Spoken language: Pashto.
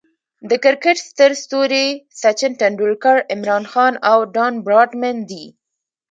د کرکټ ستر ستوري سچن ټندولکر، عمران خان، او ډان براډمن دي.